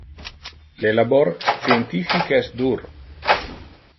Le labor scientific es dur.